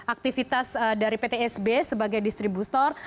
aktivitas dari ptsb sebagai distributor